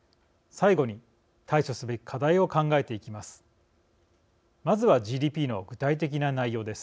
最後に対処すべき課題を考えていきます。